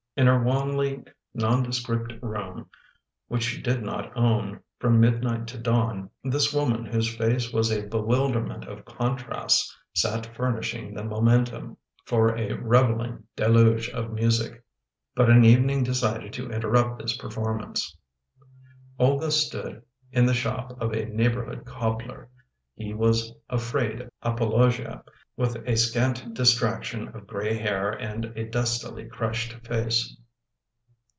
In her wanly nondescript room which she did not own, from midnight to dawn, this woman whose face was a bewilderment of contrasts, sat furnishing the momentum \ for a reveling deluge of music. But an evening decided to interrupt this performance. Olga stood in the shop of a neighborhood cobbler. He was a frayed apologia, with a scant distraction of gray hair and a dustily crushed face.